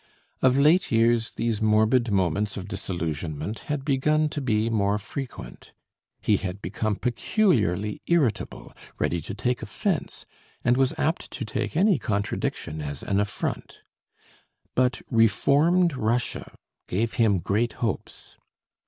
Of late years these morbid moments of disillusionment had begun to be more frequent. He had become peculiarly irritable, ready to take offence, and was apt to take any contradiction as an affront. But reformed Russia gave him great hopes.